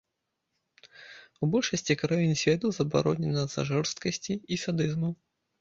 У большасці краін свету забаронена з-за жорсткасці і садызму.